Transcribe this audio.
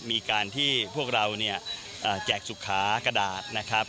มีการที่พวกเราเนี่ยแจกสุขากระดาษนะครับ